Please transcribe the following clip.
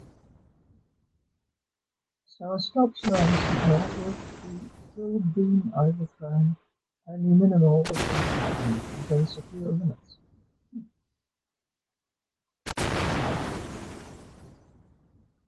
So a stop showing signal will been overthrown only minimal within secure limits.